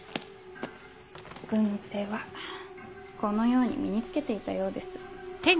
軍手はこのように身に着けていたようです。